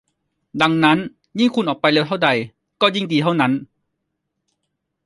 ดังนั้นยิ่งคุณออกไปเร็วเท่าใดก็ยิ่งดีเท่านั้น